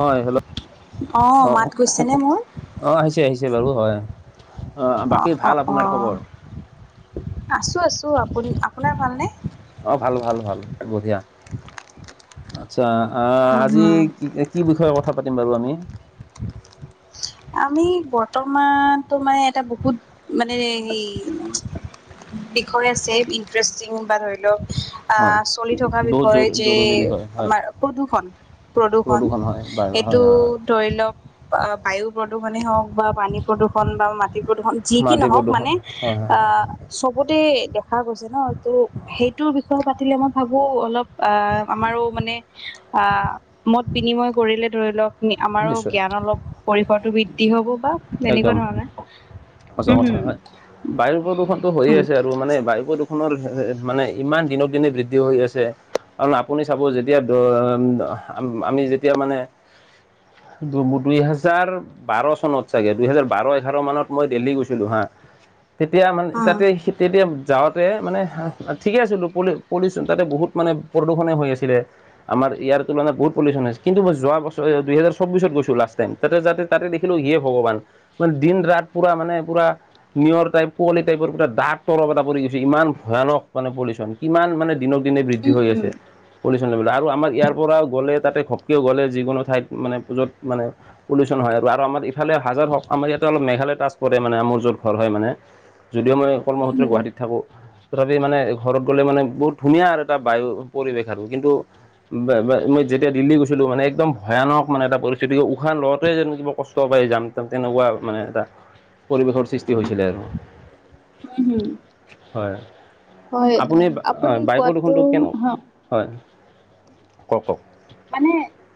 অ hello অ মাত গৈছেনে মোৰ? অ আহিছে আহিছে বাৰু হয়। অ বাকী ভাল অ', আপোনাৰ অ', খবৰ আছো আছো আপুনি আপোনাৰ ভালনে অ ভাল ভাল ভাল বঢ়িয়া আচ্ছা উম, আজি হম, কি কি বিষয়ে কথা পাতিম বাৰু আমি আমি বৰ্তমান তোমাৰ এটা বহুত মানে সেই বিষয় আছে ইন্টাৰেষ্টিং বা ধৰি লওক হয় আহ চলি থকা বহুত জ বিষয় যে জৰুৰী বিষয় হয় আমাৰ প্ৰদূষণ প্ৰদূষণ। হয় বাৰু এইটো হয় হয় হয় ধৰি লওক আ বায়ু প্ৰদূষণে হওক বা পানী প্ৰদূষণ বা মাটি প্ৰদূষণ যি কি মাটি নহওক প্ৰদূষণ মানে হয় হয় হয় আহ হয় চবতে দেখা গৈছে ন ত' সেইটোৰ বিষয়ে পাতিলে মই ভাবো অলপ আহ আমাৰো মানে আহ মত বিনিময় কৰিলে ধৰি লওক আমাৰো নিশ্চয় জ্ঞান অলপ পৰিসৰটো বৃদ্ধি হ'ব বা একদম তেনেকুৱা ধৰণে সঁচা কথা হয় বায়ু প্ৰদূষণটো হৈয়ে আছে হম আৰু মানে বায়ু প্ৰদূষণ প্ৰদূষণৰ মানে ইমান দিনক দিনে বৃদ্ধি হৈ আছে। কাৰণ আপুনি চাব যেতিয়া অ আমি যেতিয়া মানে দু দুইহেজাৰ বাৰ চনত চাগে দুহেজাৰ বাৰ এঘাৰ মানত মই দিল্লী গৈছিলো হা তেতিয়া মানে তাতে তেতিয়া যাওঁতে মানে ঠিকে আছিলো পলিউচন তাতে বহুত মানে প্ৰদূষণে হৈ আছিলে। আমাৰ ইয়াৰ তুলনাত বহু পলিউচন আ কিন্তু মই যোৱাবছৰ দুহেজাৰ চৌব্বিছ গৈছিলো লাষ্টটাইম তাতে যাতে তাতে দেখিলোঁ। ভগৱান মানে দিন ৰাত পুৰা মানে পুৰা- নিয়ৰ টাইপ কোৱলি টাইপৰ এটা দাঁঠ তৰপ এটা পৰি গৈছে ইমান ভয়ানক মানে পলিউচন কিমান মানে দিনক দিনে বৃদ্ধি উম বৃদ্ধি হৈ উম উম উম আছে। পলিউচন ল'বলৈ আৰু আমাৰ ইয়াৰ পৰাও গ'লে তাতে ঘপকেও গ'লে যিকোনো ঠাইত মানে পূজত মানে পলিউচন হয় আৰু আমাৰ ইফালে হাজাৰ হওক আমাৰ ইয়াতে অলপ মেঘালয়ৰ টাচ পৰে মানে মোৰ য'ত ঘৰ হয় মানে যদিও মই উম কৰ্মসূত্ৰে হম গুৱাহাটীত থাকো। তথাপি মানে ঘৰত গ'লে মানে বহুত ধুনীয়া আৰু এটা বায়ু পৰিৱেশ আৰু কিন্তু বা বা মই যেতিয়া দিল্লী গৈছিলো মানে একদম ভয়ানক মানে এটা পৰিস্থিতি উশাহ লওতেও যেন কিবা ক কষ্ট পাই যাম তেনেকুৱা মানে এটা পৰিৱেশৰ সৃষ্টি হৈছিলে আৰু। উম হুম। হয় আপুনি আপুনি বায়ু প্ৰদূষণটো কোনো কোৱাটো হয় কওক কওক। মানে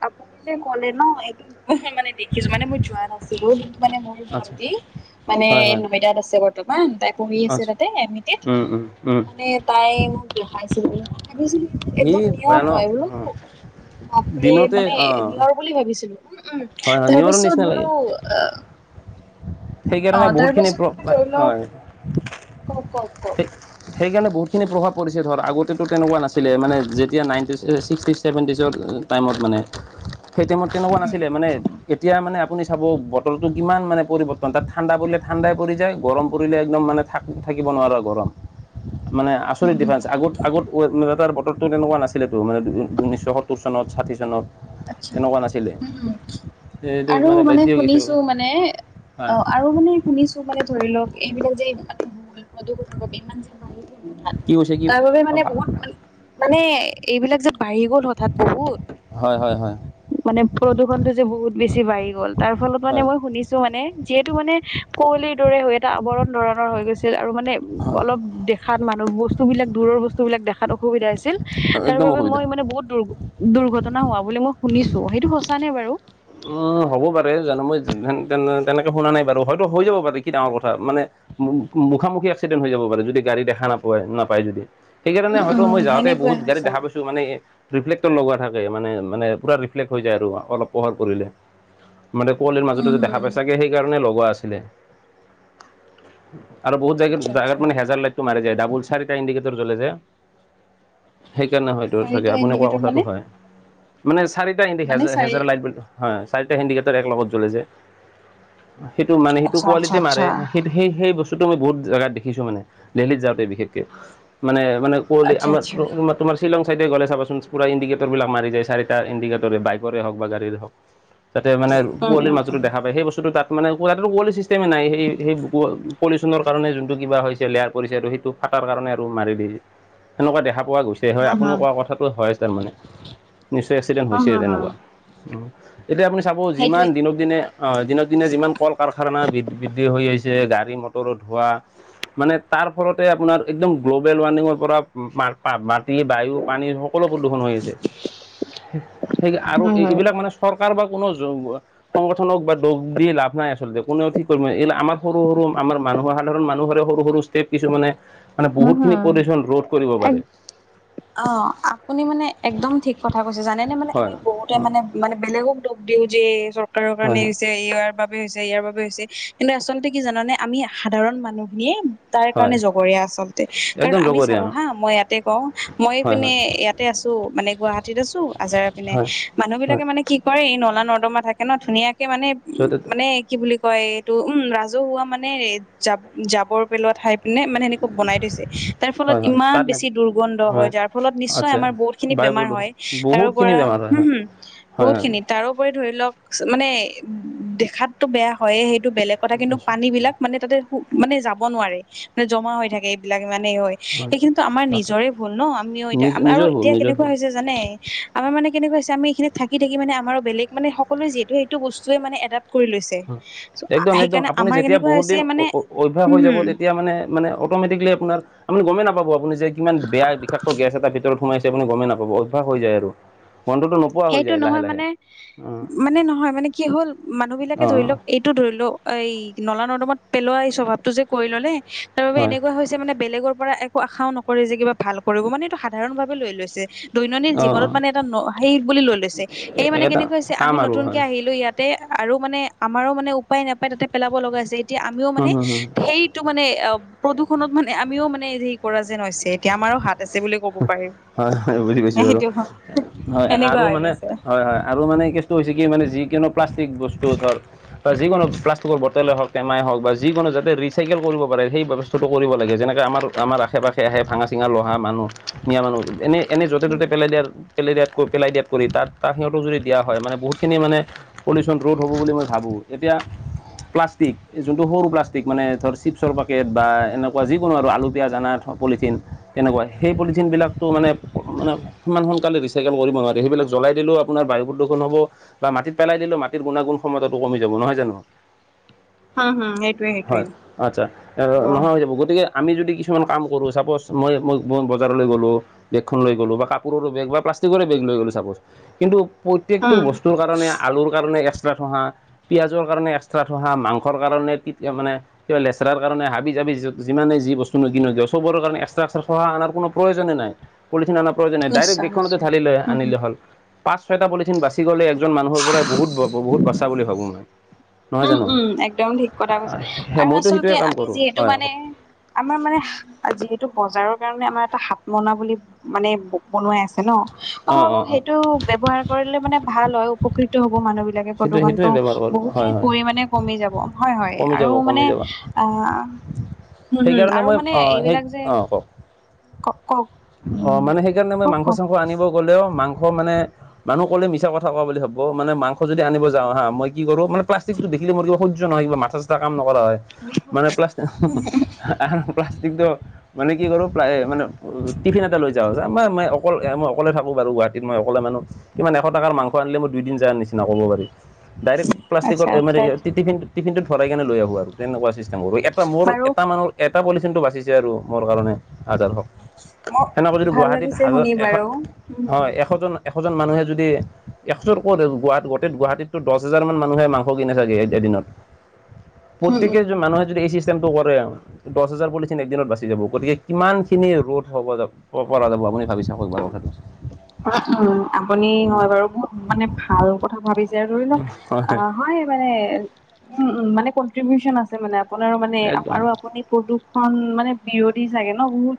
আপুনি যে কলে ন এইটো মানে দেখিছো মানে মই যোৱা নাছিলো কিন্তু মানে মোৰ আচ্ছা ভণ্টি মানে হয় হয় নয়দাত আছে গৈ বৰ্তমান তাই পঢ়ি আছে আচ্ছা তাতে এম ই টিত মানে তাই মোক দেখাইছিল বুলি মই ভাবিছিলো এইবিলাক ই একদম নিয়া ভয়ানক নহয় বোলো। বাপৰে দিনতে মানে অঁ নিয়ৰ বুলি ভাবিছিলো উম উম। হয় হয় তাৰ নিয়ৰৰ পাছত নিচিনা লাগে বোলো আহ সেইকাৰণে বহুতখিনি [unintelligible] লওক কওক কওক কওক সেইকাৰণে বহুতখিনি প্ৰভাৱ পৰিছে ধৰ, আগতেতো তেনেকুৱা নাছিলে মানে যেতিয়া নাইনটি ছিক্সটিজ চেভেণ্টিজত টাইমত মানে, সেই টাইমত কেনেকুৱা উম নাছিলে মানে এতিয়া মানে আপুনি চাব বটলটো কিমান মানে পৰিৱৰ্তন তাত ঠাণ্ডা পৰিলে ঠাণ্ডাই পৰি যায়, গৰম পৰিলে একদম মানে থাক-থাকিব নোৱাৰা গৰম। মানে হম আচৰিত হম ডিফাৰেঞ্চ, আগত আগত [unintelligible] তো তেনেকুৱা নাছিলেতো মানে ঊনৈছশ সত্তৰ চনত, ষাঠি চনত আচ্ছা তেনেকুৱা নাছিলে। উম উম এইটো আৰু মানে বাদ্য গৈছো শুনিছোঁ মানে হয় অ' আৰু মানে শুনিছোঁ মানে ধৰি লওঁক এইবিলাক যে মানে [unintelligible] প্ৰদুষণৰ বাবে ইমান যে বাঢ়ি গ'ল হঠাত কি কৈছে কি তাৰ বাবে মানে বহুত মানে এইবিলাক যে বাঢ়ি গ'ল হঠাৎ বহুত হয় হয় হয় হয় মানে প্ৰদূষণটো যে বহুত বেছি বাঢ়ি গ'ল তাৰ ফলত মানে হয় মই শুনিছোঁ মানে, যিহেতু মানে কুৱলিৰ দৰে হৈ এটা আৱৰণ ধৰণৰ হৈ গৈছিল আৰু মানে অলপ দে খাত মানুহ, বস্তুবিলাক দূৰৰ বস্তুবিলাক দেখাত অসুবিধা হৈছিল। তাৰ একদম বাবে অসুবিধা মই মানে বহুত দুৰ্ঘটনা হোৱা বুলি মই শুনিছোঁ সেইটো সঁচানে বাৰু? উম, হ'ব পাৰে, জানো মই তেনেকে শুনা নাই বাৰু, হয়তো হৈ যাব পাৰে কি ডাঙৰ কথা মানে মু-মুখামুখি এক্সিডেণ্ট হৈ যাব পাৰে যদি গাড়ী দেখা নাপা-নাপায় যদি। সেইকাৰণে উম হয়তো উম মই যাওঁতে সেনেকুৱাই বহুত গাড়ী সঁচা দেখা পাইছোঁ মানে ৰিফ্লেক্টৰ লগোৱা থাকে, মানে মানে পূৰা ৰিফ্লেক্ট হৈ যায় আৰু অলপ পোহৰ কৰিলে। মানে কোৱলিৰ উম মাজতো যে দেখা হুম পাই ছাগে সেইকাৰণে লগোৱা আছিলে। আৰু বহুত আচ্ছা জেগা-জাগাত আচ্ছা মানে হেজাল লাইট টো মাৰি দিয়ে, ডাবুল চাৰিটা ইণ্ডিকেটৰ জ্বলে যে, সেইকাৰণে হয়। [unintelligible] চাগে চাৰিটা আপুনি কোৱা ইণ্ডিকেটৰ কথাটো মানে হয়। মানে চাৰিটা মানে [unintelligible] চাৰি হেজেৰ লাইট হে, চাৰিটা হিণ্ডিকেটৰ লাইট এক লগত জ্বলে যে। সেইটো মানে সেইটো আচ্ছা আচ্ছা কোৱালিটি মাৰে আচ্ছা সেইটো সেই সেই বস্তুটো মই বহুত জেগাত দেখিছোঁ মানে দিল্লীত যাওঁতে বিশেষকে, মানে মানে কুঁৱলী আচ্ছা আমাৰ আচ্ছা [unintelligible] তোমাৰ শ্বিলং চাইডে গ'লে চাবচোন পুৰা ইণ্ডিকেটৰবিলাক মাৰি যায়, চাৰিটা ইণ্ডিকেটৰ, বাইকৰে হওঁক বা গাড়ৰে হওঁক। যাতে মানে উম কুৱলীৰ উম মাজতো উম দেখা পায় সেইবস্তুটো তাত মানে [unintelligible] ছিষ্টেমেই নাই, সেই সেই প-পলিউচনৰ কাৰণে যোনটো কিবা হৈছে, লেয়াৰ কৰিছে আৰু সেইটো ফাটাৰ কাৰণে আৰু মাৰি দি, হেনেকুৱা দেখা পোৱা গৈছে। সেয় হয় হম আপুনি হম কোৱা কথাটো হয় তাৰমানে, নিশ্চয় এক্সিডেণ্ট হম হৈছে হম হম তেনেকুৱা। এতিয়া আপুনি চাব যিমান সেইটোৱে দিনক দিনে অ' দিনক দিনে যিমান কল কাৰখানা বৃদ-বৃদ্ধি হৈ আহিছে, গাড়ী মটৰৰ ধোৱা মানে তাৰ ফলতে আপোনাৰ একদম গ্ল'বেল ৱাৰ্মিঙৰ পৰা [unintelligible] মাটি বায়ু পানীৰ সকলো প্ৰদূষণ হৈ আছে। সেই আৰু হয় হয় এইবিলাক মানে চৰকাৰ বা কোনো [unintelligible] সংগঠনক বা দুখ দি লাভ নাই আচলতে, কোনেও ঠিক কৰিব, এই আমাৰ সৰু সৰু, আমাৰ মানুহৰ সাধাৰণ মানুহৰে সৰু সৰু [unintelligible] কিছুমানে মানে হম বহুতখিনি হম [unintelligible] ৰোধ কৰিব এক পাৰে। অ' আপুনি মানে একদম ঠিক কথা কৈছে জানেনে, মানে হয় আমি বহুতে হয় মানে মানে বেলেগক দুখ দিওঁ যে চৰকাৰৰ হয় কাৰণে হয় হৈছে ইয়াৰ বাবে হৈছে, ইয়াৰ বাবে হৈছে কিন্তু আচলতে কি জানানে আমি সাধাৰণ মানুহখিনিয়ে তাৰ কাৰণে হয় জগৰীয়া আছ [unintelligible] কাৰণ একদম আমি চাব জগৰীয়া হা, মই ইয়াতে কওঁ মই হয় পিনে হয় ইয়াতে আছোঁ, মানে গুৱাহা টিত আছোঁ আজাৰা পিনে হয় মানুহবিলাকে হয় মানে কি কৰে, এই নলা নৰ্দমা থাকে ন' ধুনীয়াকে মানে, চ' মানে কি বুলি কয় এইটো উম ৰাজহুৱা মানে জা-জাবৰ পেলোৱা ঠাই পিনে মানে বনাই থৈছে, তাৰ ফলত হয় হয় ইমান তাত নে বেছি দুৰ্গন্ধ হয় যাৰ ফলত নিশ্চয় আচ্ছা আমাৰ বহুতখিনি বায়ু বেমাৰ প্ৰদূষণ হয়। তাৰো বহুতখিনি পৰা বেমাৰ হয় হম হয় হম হয় হয় বহুতখিনিত। তাৰোপৰি ধৰি লওঁক মানে দেখাটো বেয়া হয়ে সেইটো বেলেগ কথা কিন্তু নিশ্চয় পানীবিলাক মানে তাতে মানে যাব নোৱাৰে মানে জমা হৈ থাকে এইবিলাক ইমানেই হয়। সেই কিন্তু আমাৰ তাকে নিজৰে ভুল ন আমিও এতিয়া নিজ আৰু নিজৰ ভুল এতিয়া নিজৰ কেনেকুৱা ভুল হৈছে যে জানে, আমাৰ মানে কেনেকুৱা হৈছে আমি এইখিনিত থাকি থাকি মানে আমাৰো বেলেগ মানে সকলো যিহেতু বস্তুৱে মান এদপ্ত কৰি লৈছে। চ' একদম একদম সেইকাৰণে আপুনি আমাৰ যেতিয়া কেনেকুৱা বহুত হৈছে দিন মানে অভ্যাস হৈ উম যাব তেতিয়া মানে মানে অটমেটিকলি আপোনাৰ মানে গম নাপাব আপুনি যে কিমান বেয়া বিষাক্ত গেছ এটা ভিতৰত সোমাই আছে আপুনি গমেই নাপাব অভ্যাস হৈ যায় আৰু। গন্ধটো নোপোৱা হৈ সেইটো যায় লাহে নহয় লাহে মানে অঁ মানে নহয় মানে কি হ'ল মানুহবিলাকে অঁ ধৰি অঁ লওঁক এইটো ধৰি লওঁক এই নলা নৰ্দমত পেলোৱা এই স্বভাৱটো যে কৰি ল'লে। তাৰ বাবে হয় এনেকুৱা হৈছে মানে বেলেগৰ পৰা একো আশাও নকৰে যে কিবা ভাল কৰিব। মানে এইটো সাধাৰণ ভাৱে লৈ লৈছে দৈনন্দিন অঁ জীৱনত অঁ মানে এটা সেই বুলি লৈ লৈছে। সেই মানে এটা কেনেকৈ হৈছে কাম আমি আৰু নতুনকে আহিলো ইয়াত তে আৰু মানে আমাৰো মানে উপায় নাপায় তাতে পেলাব লগা হৈছে। এতিয়া আমিও মানে হয় সেই টো মানে প্ৰদূষণত মানে আমিও মানে হেৰি কৰা যেন হৈছে। এতিয়া আমাৰো হাত আছে বুলি ক'ব পাৰি হয় হয় বুজি পাইছো এ বাৰু সেইটো। হয়, এনেকুৱা আৰু হৈ মানে গৈছে হয় হয়। আৰু মানে কেছটো হৈছে কি মানে যিকোনো প্লাষ্টিক বস্তু ধৰ বা যিকোনো প্লাষ্টিকৰ বটলেই হওঁক টেমাই হওঁক বা যিকোনো যাতে ৰিচাইকেল কৰিব পাৰে সেই ব্যৱস্থাটো কৰিব লাগে। যেনেকে আমাৰ আমাৰ আশে পাশে আহে ভাঙা চিঙা লোহাৰ মানুহ নিয়া মানুহ এনে এনে য'তে ত'তে পেলাই দিয়াৰ পেলাই দিয়াত কৈ পেলাই দিয়াত কৰি তাত তাক সিহঁত যদি দিয়া হয় মানে বহুতখিনি মানে পলিউচ্যন ৰোধ হ'ব বুলি মই ভাবো। এতিয়া প্লাষ্টিক যোনটো সৰু প্লাষ্টিক মানে ধৰ চিপছৰ পেকেট বা এনেকুৱা যিকোনো আৰু আলু পিয়াজ আনা পলিথিন তেনেকুৱা সেই পলিথিনবিলাকটো মানে মানে ইমান সোনকালে ৰিচাইকেল কৰিব নোৱাৰে সেইবিলাক জ্বলাই দিলও আপোনাৰ বায়ু প্ৰদূষণ হ'ব বা মাটিত পেলাই দিলে মাটিৰ গুণাগুণ ক্ষমতাটো কমি যাব নহয় জানো? উম হম সেইটোৱে সেইটোৱে হয়, আচ্ছা অ' একদম নহয় [unintelligible] গতিকে আমি যদি কিছুমান কাম কৰো। চাপ'জ মই-মই-মই বজাৰলৈ গ'লো বেগখন লৈ গ'লো বা কাপোৰৰ বেগ বা প্লাষ্টিকৰে বেগ লৈ গ'লো ছাপ'জ। কিন্তু প্ৰত্যেকটো উম। বস্তুৰ কাৰণে আলুৰ কাৰণে এক্সট্ৰা থোঙা পিঁয়াজৰ কাৰণে এক্সট্ৰা থোঙা মাংসৰ কাৰণে মানে কিবা লেচৰাৰ কাৰণে হাবি যাবি যিমানেই যি বস্তু নিকিনো চব কাৰণে একস্ত্ৰা একস্ত্ৰা থোঙা অনাৰ কোন প্ৰয়োজনে নাই। পলিথিন অনা প্ৰয়োজনে নাই ডাইৰেক্ট নিশ্চয় বেগখনতে নিশ্চয় ধালি লৈ হুম হুম। আনিলে হ'ল। পাঁচ ছয়টা পলিথিন বাচি গ'লে একজন মানুহৰ পৰাই বহুত বহুত বাচা বুলি ভাবো মই। নহয় উম, জানো উম একদম ঠিক কথা কৈছে সেই আৰু মইতো আচলতে সেইটোৱে কাম আমি কৰোঁ যিহেতু হয় মানে আমাৰ মানে যিহেতু বজাৰৰ কাৰণে আমাৰ এটা হাত মুনা বুলি মানে বনোৱাই আছে ন। অ', অঁ হ'ব অঁ অঁ সেইটো ব্যৱহাৰ কৰিলে মানে ভাল হয় উপকৃত হ'ব মানুহবিলাকে সেইটো প্ৰদূষণটো সেইটোৱে ব্যৱহাৰ হয়, হয়। [unintelligible] মানে কমি যাব হয় হয় কমি আৰু যাব মানে কমি যাব আহ হম, হম সেইকাৰণে আৰু মই মানে অঁ সেই এইবিলাক যে অঁ কওক ক-কওঁক। অ মানে সেইকাৰণে মই মাংস চাংস আনিব গ'লেও মাংস মানে। মানুহ ক'লে মিছা কথা কোৱা বুলি ভাবব মানে মাংস যদি আনিব যাওঁ হা মই কি কৰো মানে। প্লাষ্টিকটো দেখিলে মোৰ কিবা সহ্ নয় কিবা মাথা চাথা কাম নকৰা হয় মানে প্লাষ্ট। আহা হা প্লাষ্টিকটো মানে কি কৰোঁ মানে। টিফিন লৈ যাওঁ হৈছে আ মই মই অকল মই অকলে থাকো বাৰু গুৱাহাটীত মই অকলে মানুহ। কিমান এশ টকাৰ মাংস আনিলে মই দুইদিন যাৰ নিচিনা ক'ব পাৰি ডাইৰেক্ট। প্লাষ্টিকত আচ্ছা মানে আচ্ছা টিফিন টফিনটোতৰাই কেনে লৈ আহো আৰু তেনেকুৱা চিষ্টেম আৰু এটা মোৰ বাৰু এটা মানৰ। এটা পলিঠিনটো বাচিছে আৰু মোৰ কাৰণে আদাৰ হওঁক। মোক সেনেকুৱা যদি ভাল গুৱাহাটীত লাগিছে হাজাৰ শুনি বাৰু এশ উম হয় এশজন এশজন মানুহে যদি। একশৰ ক'ত গুৱাহাট গোটেই গুৱাহাটীতো দহ হাজাৰ মান মানুহে মাংস কিনে চাগে এদিনত। উম প্ৰত্যেকে যে মানুহে যদি এচি চি। চেমটো কৰে দহ হাজাৰ পলিঠিন একদিনত বাছি যাব গতিকে কিমান খিনি ৰত। হ'ব যব হ'ব পৰা যাব আপুনি ভাবি চা শকাৰ কথাটো। আ উম আপুনি হয় বাৰু বহুত মানে ভাল কথা ভাবিছে ধৰি লওক আহ। হয় মানে উম উম মানে কনট্ৰিবউচন আছে মানে আপোনাৰ মানে একদম আৰু আপুনি। প্ৰদূষণ মানে বিৰধি চাগে ন বহুত।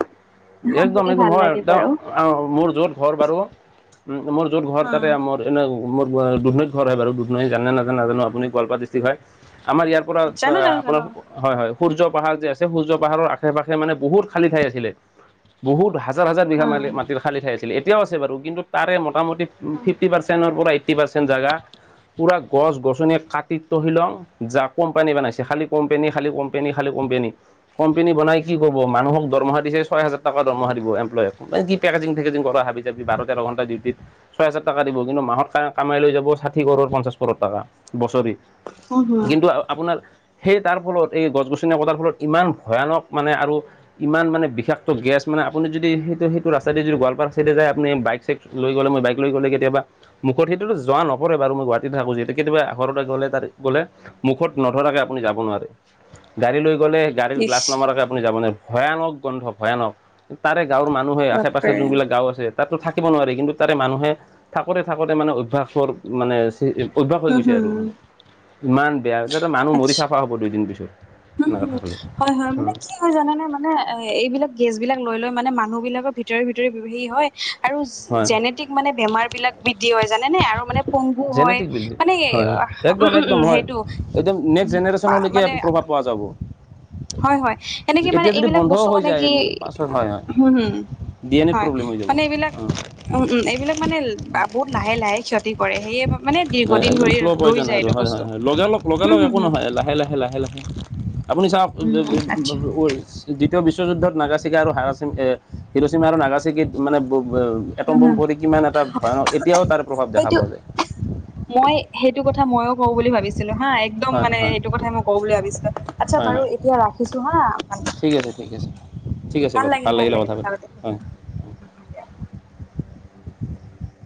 একদম শুনি একদম ভাল হয় লাগে একদ বাৰু মোৰ য'ত ঘৰ বাৰু মোৰ য'ত ঘৰ উম তাতে মোৰ। তেনে মোৰ দুধনৈত ঘৰ হয় বাৰু দুধনৈ জানে নাজানে নাজানো আপুনি গোৱালপাৰ ডিষ্ট্ৰিক্ট হয় আমাৰ ইয়াত। জানো জানো আপোনাৰ জানো হয় হয় সূৰ্য পাহাৰ যে আছে সূৰ্য পাহাৰৰ আশে পাশে মানে বহুত খালী ঠাই আছিলে। বহুত হাজাৰ হাজাৰ বিঘা ম উম মাটিৰ খালীঠাই আছিল এতিয়াও আছে বাৰু কিন্তু। তাৰে মোটামুটি ফিফটি পাৰ্চেণ্টৰ পৰা এইটি পাৰ্চেণ্ট জেগা। পুৰা গছ -গছনিয কাটি তহিলং। যাক কোম্পানী বনাইছে খালী কোম্পানী খালী কোম্পানী খালী কোম্পানী। কোম্পেনী বনাই কি ক'ব মানুহক দৰমহা দিছে। ছয় হাজাৰ টকা দৰমহা দিব এমপ্লয়ক মান কি পেকেজিং- ফেকেজিং হাবি যাবি বাৰ তেৰ ঘণ্টা ডিউটিত। ছয় হাজাৰ টকা দিব কিন্তু মাহত কামাই লৈ যাব ষাঠি কৰোৰ পঞ্চাশ কৰোৰ টকা বছৰি। উম হুম কিন্তু আপোনাৰ। সেই তাৰ ফলত এই গছ -গছনি কটাৰ ফলত ইমান ভয়ানক মানে আৰু ইমান মানে বিশেষ। ত' গেছ মানে আপুনি যদি সেইটো সেইটো ৰাস্তাইদি যদি গোৱালপাৰা চাইতে যায় আপুনি বাইক- চাইক লৈ গ'লে মই বাইক লৈ গ'লে কেতিয়াবা। মুখত সেইটোতো যোৱা নপৰে বাৰু মই গুৱাহাটীত থাকো যহতো কেতিয়াবা ঘৰতে গ'লে তাত গ'লে। মুখত নধৰাকে আপুনি যাব নোৱাৰে গাড়ী লৈ গ'লে। গাড়ীৰ ইছ গ্লাছ নামাৰক আপুনি যাব নোৱাৰাৰে ভয়ানক গনধক ভয়ানক তাৰে গাঁৱৰ মানুহ। মানুহে আশে-পাশে বাপৰে যোনবিলাক গাঁও আছে। তাততো থাকিব নোৱাৰি কিন্তু তাৰে মানুহে থাকোতে থাকোঁতে মানে অভ্যাসৰ মানে। অভ্যাস হৈ উম গৈছে হুম আৰু মানে। ইমান বেয়া মানুহ মৰি আচ্ছা চাফা হ'ব দুইদিন পিছত। উম, এনেকৈ উম, থাকিলে হয়, হয়, মানে কি। কি হয় জানে নে মানে এ, এইবিলাক গেছবিলাক লৈ লৈ মানে মানুহবিলাকৰ ভিতৰি ভিতৰি হয়। আৰু হয় জেনেটিক মানে বেমাৰবিলাক। বৃদ্ধি হয় জানেনে আৰু মানে পংগু হয়। জেনেটিক বিল্ডিং মানে হয় হয়। উম, একদম উম, একদম উম, হয় সেইটো। একদম নেক্সট বা- জেনেৰেচনলৈকে মানে প্ৰভাৱ পোৱা যাব। হয়, হয়। এনেকে মানে এতিয়া যদি এইবিলাক বন্ধ বস্তু হৈ মানে যায় কি, পাছত হয় হয় হুম ডি এন এত হয়, প্ৰব্লেম হৈ যাব মানে হয়, এইবিলাক। উম, উম। এইবিলাক মানে বহুত লাহে, লাহে ক্ষতি কৰে মই সেয়ে। মানে হয়, হয়। দীৰ্ঘদিন একদম ধৰি শ্লো ৰৈ পয়জন যায় সেইতো এইটো হয়, বস্তু হয়। লগা- লগ লগা-লগ হম হম একো হম নহয়। লাহে, লাহে, লাহে, লাহে। আপুনি চাওক দ দ দ উম আচ্ছা ওৱেচ। দ্বিতীয় বিশ্বযুদ্ধত নাগাচিকা আৰু হাৰাচিম এ, হিৰোচিমা আৰু নাগাচিকিত মানে ব বে। হম এটম্বুম হম ভৰি কিমান এটা হয় ন এতিয়াও তাৰ প্ৰভাৱ দেখা সেইটো পোৱা যায়। মই সেইটো কথা ময়ও কওঁ বুলি ভাবিছিলো হা। একদম হয় মানে হয় এইটো কথাই মই কওঁ বুলি ভাবিছিলোঁ, আচ্ছা হয় বাৰু হয় এতিয়া ৰাখিছো হা'। ঠিক আছে ঠিক আছে ঠিক আছে ভাল বাৰু লাগিল, ভাল লাগিলে লাগিল কথা পাতি। হয়